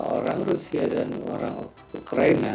orang rusia dan orang ukraina